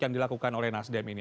yang dilakukan oleh nasdem ini